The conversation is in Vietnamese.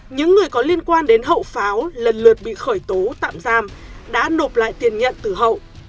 những người có liên quan đến hậu pháo lần lượt bị khởi tố tạm giam đã nộp lại tiền nhận từ hậu